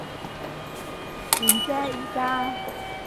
點啫依家？